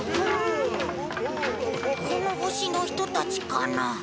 この星の人たちかな？